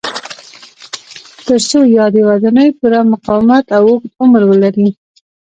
ترڅو یادې ودانۍ پوره مقاومت او اوږد عمر ولري.